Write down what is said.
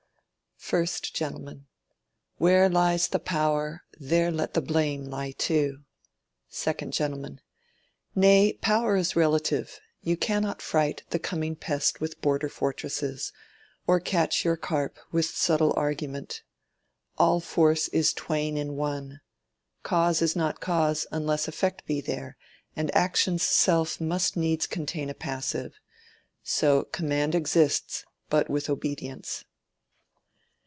1_st Gent_. Where lies the power, there let the blame lie too. 2_d Gent_. Nay, power is relative; you cannot fright The coming pest with border fortresses, Or catch your carp with subtle argument. All force is twain in one: cause is not cause Unless effect be there; and action's self Must needs contain a passive. So command Exists but with obedience.